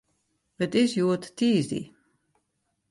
It is hjoed tiisdei.